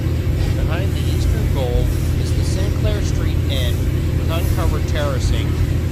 Behind the eastern goal is the "Sinclair Street" end, with uncovered terracing.